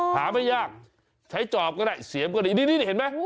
หาไม่ยากใช้จอบก็ได้เสียมก็ดีนี่เห็นไหม